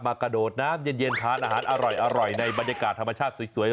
กระโดดน้ำเย็นทานอาหารอร่อยในบรรยากาศธรรมชาติสวย